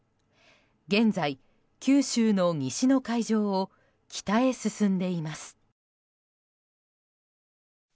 現在、九州の西の海上を北へ進んでいます。